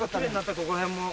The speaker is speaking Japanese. ここら辺も。